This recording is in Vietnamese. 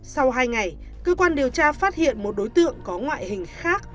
sau hai ngày cơ quan điều tra phát hiện một đối tượng có ngoại hình khác